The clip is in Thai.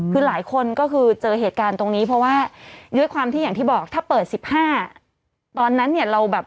คือหลายคนก็คือเจอเหตุการณ์ตรงนี้เพราะว่าด้วยความที่อย่างที่บอกถ้าเปิด๑๕ตอนนั้นเนี่ยเราแบบ